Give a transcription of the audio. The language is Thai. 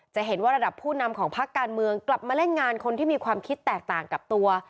จะเห็นว่าระดับผู้นำของพักการเมืองกลับมาเล่นงานคนที่มีความคิดแตกต่างกับตัว